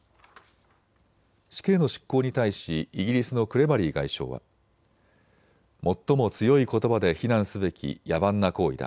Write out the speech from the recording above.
死刑の執行に対しイギリスのクレバリー外相は、最も強いことばで非難すべき野蛮な行為だ。